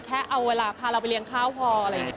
แค่เอาเวลาพาเราไปเลี้ยงข้าวพออะไรอย่างนี้